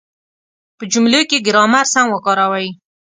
په جملو کې ګرامر سم وکاروئ.